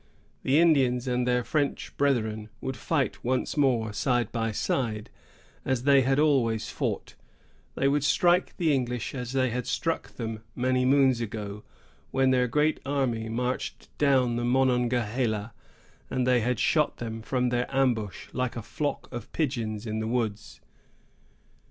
The Indians and their French brethren would fight once more side by side, as they had always fought; they would strike the English as they had struck them many moons ago, when their great army marched down the Monongahela, and they had shot them from their ambush, like a flock of pigeons in the woods.